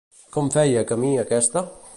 Com feia camí aquesta?